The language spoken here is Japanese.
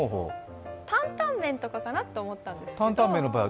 担担麺とかかなと思ったんですけど。